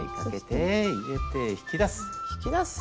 引き出す！